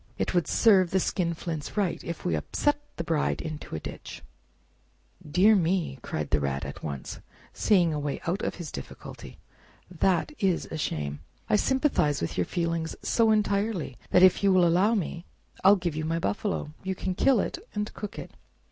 It would serve the skinflints right if we upset the Bride into a ditch!" "Dear me!" cried the Rat at once, seeing a way out of his difficulty, "that is a shame! I sympathize with your feelings so entirely that if you will allow me, I'll give you my buffalo. You can kill it, and cook it."